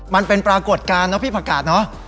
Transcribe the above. มันเป็นปรากฏการณ์นะพี่ผักกาดเนอะ